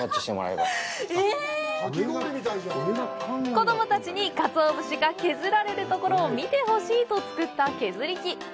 子供たちにかつお節が削られるところを見てほしいと作った削り器！